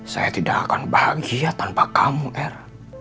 saya tidak akan bahagia tanpa kamu r